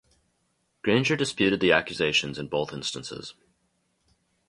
Granger disputed the accusations in both instances.